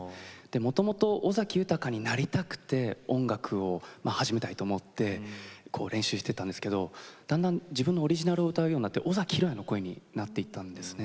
もともと、尾崎豊になりたくて音楽を始めたいと思って練習していたんですが自分のオリジナルを歌うようになって尾崎裕哉の声になっていたんですね。